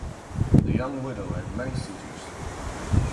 The young widow had many suitors.